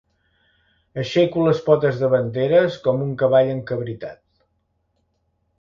Aixeco les potes davanteres com un cavall encabritat.